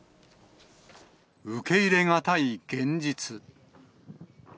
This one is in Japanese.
受け入れ難い現実。